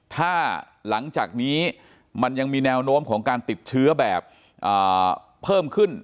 ถ้าหลังจากนี้มันยังมีแนวโน้มของการติดเชื้อแบบเพิ่มขึ้น